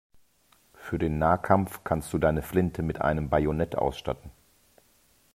Für den Nahkampf kannst du deine Flinte mit einem Bajonett ausstatten.